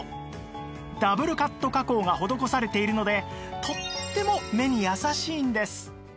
ダブルカット加工が施されているのでとっても目に優しいんです